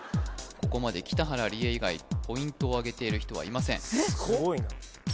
ここまで北原里英以外ポイントを上げている人はいませんえっ？